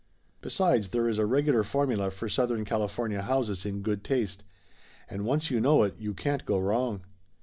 Besides, there is a regular formula for Southern California houses in good taste, and once you know it you can't go wrong.